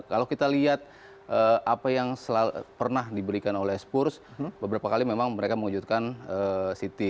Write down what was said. kalau kita lihat apa yang pernah diberikan oleh spurs beberapa kali memang mereka mewujudkan city